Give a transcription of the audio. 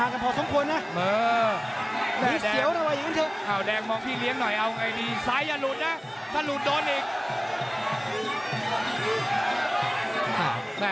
ซ้ายอย่าหลุดนะถ้าหลุดโดนอีก